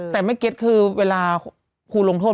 แต่แม่เก็ตคือเวลาครูลงโทษ